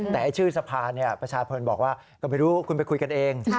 แต่ชื่อสะพานประชาชนบอกว่าก็ไม่รู้คุณไปคุยกันเอง